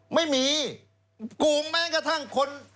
ไม่มีโกงแม้กระทั่งคน